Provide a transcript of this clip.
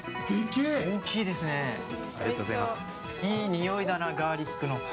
いいにおいだな、ガーリックの。